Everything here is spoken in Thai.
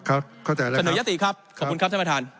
ครับเข้าใจแล้วครับขอเสนอยศติครับขอบคุณครับท่านประธาน